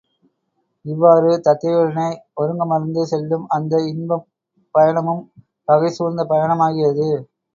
இவ்வாறு தத்தையுடனே ஒருங்கமர்ந்து செல்லும் அந்த இன்பப் பயணமும் பகை சூழ்ந்த பயணமாகியது.